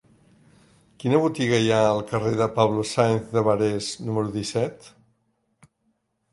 Quina botiga hi ha al carrer de Pablo Sáenz de Barés número disset?